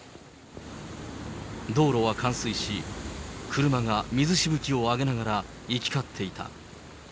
道路は冠水し、車が水しぶきを上げながら行き交っていた。